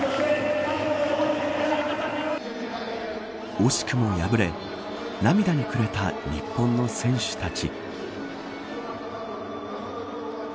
惜しくも敗れ涙にくれた日本の選手たち。